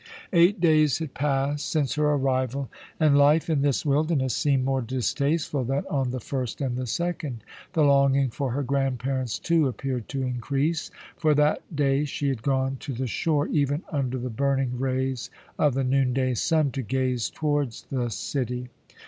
Eight days had passed since her arrival, and life in this wilderness seemed more distasteful than on the first and the second; the longing for her grandparents, too, appeared to increase; for that day she had gone to the shore, even under the burning rays of the noonday sun, to gaze towards the city.